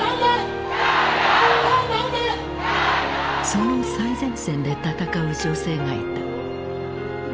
その最前線でたたかう女性がいた。